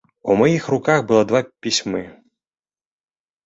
У маіх руках было два пісьмы.